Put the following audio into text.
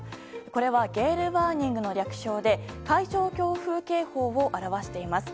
これはゲール・ワーニングの略称で海上強風警報を表しています。